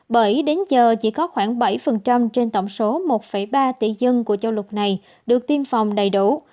bởi đến giờ chỉ có khoảng bảy trên tổng số một ba tỷ dân của châu lục này được tiêm phòng đầy đủ